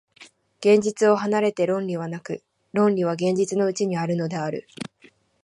現実を離れて論理はなく、論理は現実のうちにあるのである。